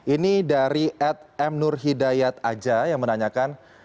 ini dari atmnurhidayat aja yang menanyakan